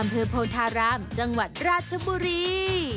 อำเภอโพธารามจังหวัดราชบุรี